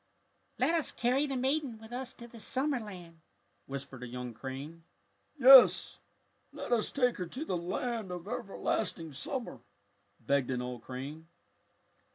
"Let us carry the maiden with us to the summer land!" whispered a young crane. "Yes, let us take her to the land of ever lasting summer," begged an old crane.